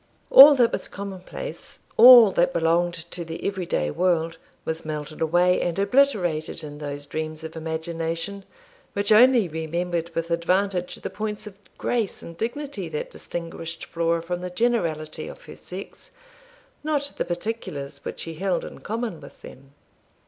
All that was commonplace, all that belonged to the every day world, was melted away and obliterated in those dreams of imagination, which only remembered with advantage the points of grace and dignity that distinguished Flora from the generality of her sex, not the particulars which she held in common with them.